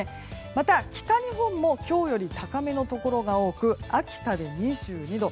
また北日本も今日より高めのところが多く秋田で２２度。